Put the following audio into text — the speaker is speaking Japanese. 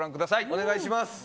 お願いします。